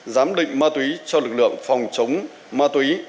giám định ma túy cho lực lượng phòng chống ma túy